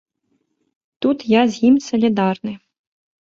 Тут я з ім салідарны.